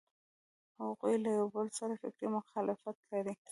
هغوی له یوبل سره فکري مخالفت لري.